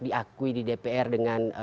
diakui di dpr dengan